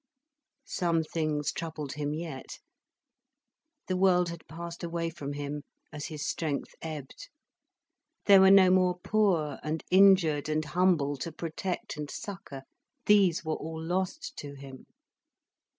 Some things troubled him yet. The world had passed away from him, as his strength ebbed. There were no more poor and injured and humble to protect and succour. These were all lost to him.